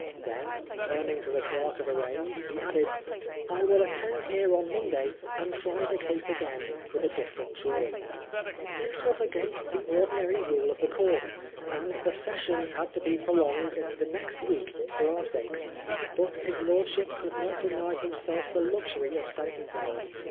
'' Then, turning to the .Clerk of Arraigns, he added, "I will attend here on Monday and try the case again with a different jury." This was against the ordinary rule of the court, and the sessions had to be prolonged into the next week for our Bakes ; but his lordship could not deny himself the luxury of sentencing us.